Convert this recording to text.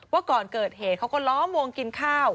ก่อนเกิดเหตุเขาก็ล้อมวงกินข้าว